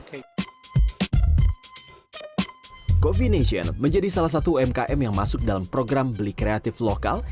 coffeenation menjadi salah satu umkm yang masuk dalam program beli kreatif lokal